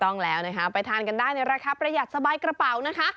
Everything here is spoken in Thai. ต้องแล้วนะคะไปทานกันได้ในราคาประหยัดสบายกระเป๋านะคะ